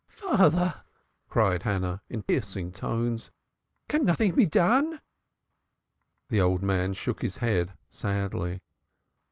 "Father," cried Hannah in piercing tones, "can nothing be done?" The old man shook his head sadly.